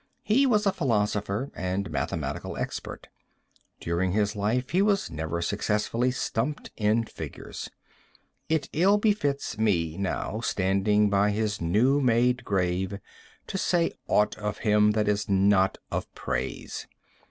He was a philosopher and mathematical expert. During his life he was never successfully stumped in figures. It ill befits me now, standing by his new made grave, to say aught of him that is not of praise.